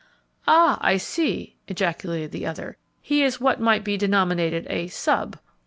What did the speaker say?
"Ah, I see!" ejaculated the other; "he is what might be denominated a 'sub.'"